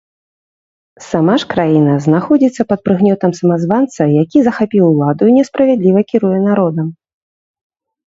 Сама ж краіна знаходзіцца пад прыгнётам самазванца, які захапіў уладу і несправядліва кіруе народам.